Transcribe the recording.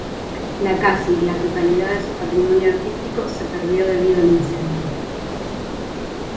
La casi la totalidad de su patrimonio artístico se perdió debido al incendio.